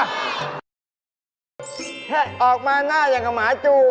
ออกมาหน้าอย่างกับหมาจู